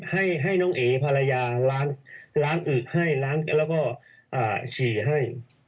ให้น้องเอ๋ภรรยาล้างอึกให้ล้างแล้วก็ฉี่ให้